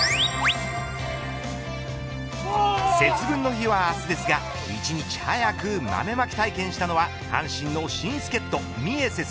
節分の日は明日ですが１日早く豆まき体験したのは阪神の新助っ人ミエセス。